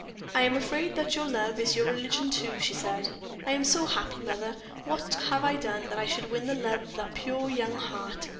"I am afraid that your love is your religion, too," she said. "I am so happy, mother! What have I done that I should win the love of that pure, young heart?